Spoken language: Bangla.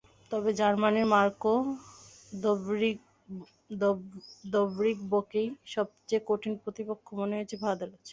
তবে জার্মানির মার্কো দবরিকভকেই সবচেয়ে কঠিন প্রতিপক্ষ মনে হয়েছে ফাহাদের কাছে।